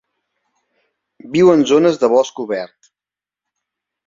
Viu en zones de bosc obert.